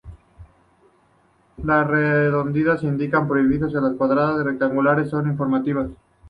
Las redondas indican prohibición y las cuadradas o rectangulares son informativas.